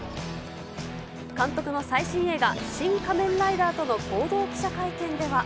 監督の最新映画、シン・仮面ライダーとの合同記者会見では。